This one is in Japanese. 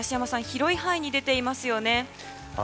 広い範囲に出ていますよね。